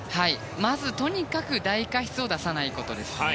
まず、とにかく大過失を出さないことですね。